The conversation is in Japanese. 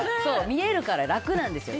見えるから楽なんですよ。